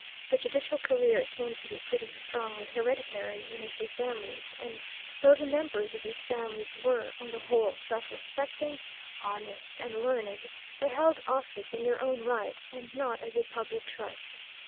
The judicial career came to be pretty strongly hereditary in a few families, and though the members of these families were, on the whole, self respecting, honest, and learned, they held office in their own right and not as a public trust.